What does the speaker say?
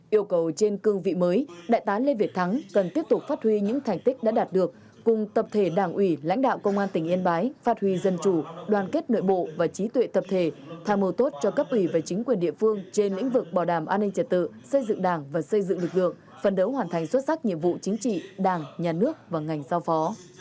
yêu cầu trên cương vị mới đại tá lê việt thắng cần tiếp tục phát huy những thành tích đã đạt được cùng tập thể đảng ủy lãnh đạo công an tỉnh yên bái phát huy dân chủ đoàn kết nội bộ và trí tuệ tập thể tham mô tốt cho cấp ủy và chính quyền địa phương trên lĩnh vực bảo đảm an ninh trật tự xây dựng đảng và xây dựng lực lượng phần đấu hoàn thành xuất sắc nhiệm vụ chính trị đảng nhà nước và ngành giao phó